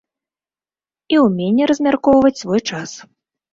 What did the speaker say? І ўменне размяркоўваць свой час.